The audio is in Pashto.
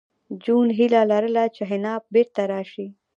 جون هیله لرله چې حنا بېرته راشي